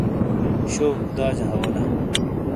شو خدا جا حوالا